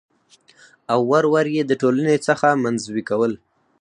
او ور ور يې د ټـولنـې څـخـه منـزوي کـول .